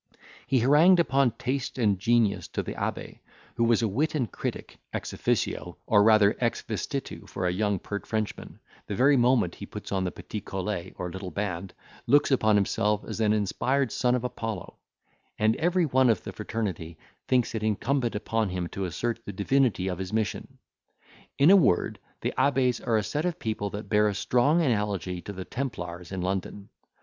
He harangued upon taste and genius to the abbe, who was a wit and critic, ex officio, or rather ex vestitu for a young pert Frenchman, the very moment he puts on the petit collet, or little band, looks upon himself as an inspired son of Apollo; and every one of the fraternity thinks it incumbent upon him to assert the divinity of his mission. In a word, the abbes are a set of people that bear a strong analogy to the templars in London.